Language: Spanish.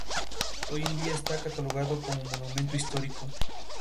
Así, Gaga marcó el mejor debut en la historia de la lista.